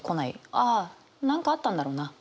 ああ何かあったんだろうな。